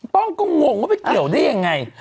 ป้องก็หัวง่วงว่าว่าไปเกี่ยวด้วยยังไง